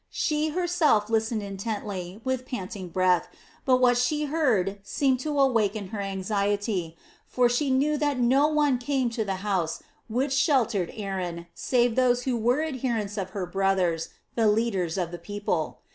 She herself listened intently, with panting breath, but what she heard seemed to awaken her anxiety; for she knew that no one came to the house which sheltered Aaron save those who were adherents of her brothers, the leaders of the people.